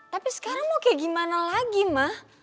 tapi sekarang mau kayak gimana lagi mah